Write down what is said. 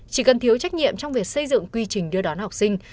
chỉ cần thiếu trách nhiệm trong việc xây dựng quy trình đưa đón học sinh